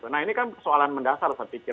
nah ini kan persoalan mendasar saya pikir